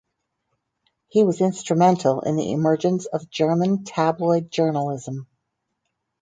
He was instrumental in the emergence of German tabloid journalism.